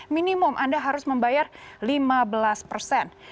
minimum anda harus membayar lima belas persen